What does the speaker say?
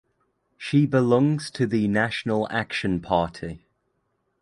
She belongs to the National Action Party.